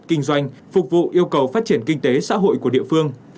kinh doanh phục vụ yêu cầu phát triển kinh tế xã hội của địa phương